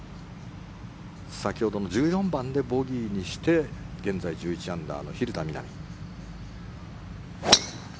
先ほどの１４番でボギーにして現在、１１アンダーの蛭田みな美。